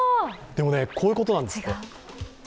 でもね、こういうことなんですって。